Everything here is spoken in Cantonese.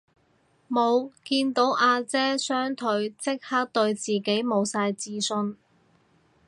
無，見到阿姐雙腿即刻對自己無晒自信